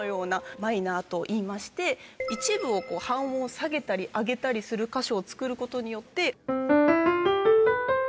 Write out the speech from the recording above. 一部を半音下げたり上げたりする箇所をつくることによって。